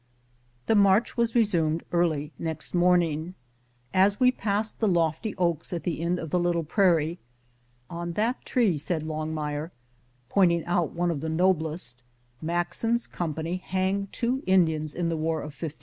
The march was resumed early next morning. As I02 FIRST SUCCESSFUL ASCENT, 1870 we passed the loftjr oaks at the end of the little prairie^ "On that tree/' said Longmire, pointing out one of the noblest, " Maxon's company hanged two Indians in the war of ^56.